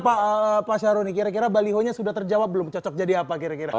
pak syaroni kira kira balihonya sudah terjawab belum cocok jadi apa kira kira